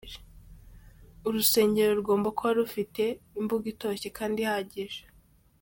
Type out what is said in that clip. Urusengero rugomba kuba rufite imbuga itoshye kandi ihagije.